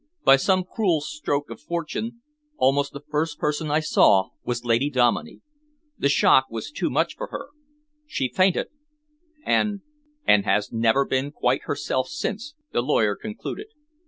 By some cruel stroke of fortune, almost the first person I saw was Lady Dominey. The shock was too much for her she fainted and " "And has never been quite herself since," the lawyer concluded.